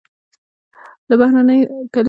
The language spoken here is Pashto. له بهرنیو کلیمو دې ډډه وسي.